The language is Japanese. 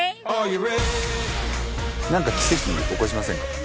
何か奇跡起こしませんか？